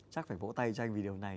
chắc phải vỗ tay cho anh vì điều này